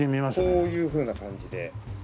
こういうふうな感じで。